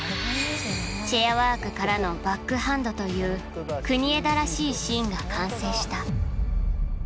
チェアワークからのバックハンドという国枝らしいシーンが完成した。